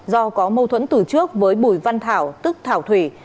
do có mâu thuẫn từ trước với bùi văn thảo tức thảo thủy